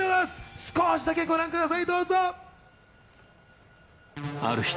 少しだけご覧ください。